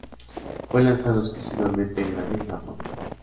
Fue lanzado exclusivamente en Brasil y Japón.